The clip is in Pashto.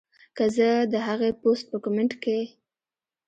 کۀ زۀ د هغې پوسټ پۀ کمنټ کښې